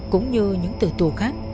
cũng như những từ tù khác